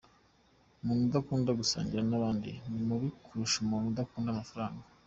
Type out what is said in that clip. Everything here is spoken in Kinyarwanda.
Umuntu udakunda gusangira n’abandi ni mubi kurusha umuntu ukunda amafaranga.